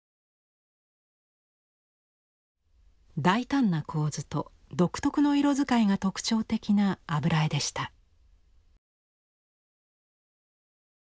大胆な構図と独特の色使いが特徴的な油絵でした。